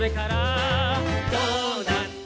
「どうなった？」